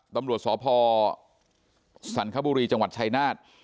ตำรวจสพสันคบุรีจังหวัดชายนาฏ